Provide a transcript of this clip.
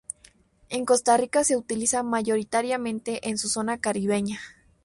En Costa Rica se utiliza mayoritariamente en su zona caribeña.